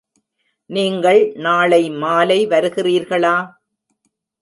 நீங்கள் நாளை மாலை வருகிறீர்களா!